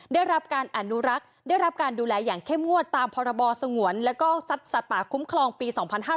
ได้รับการอนุรักษ์ได้รับการดูแลอย่างเข้มงวดตามพรบสงวนและก็สัตว์ป่าคุ้มครองปี๒๕๕๙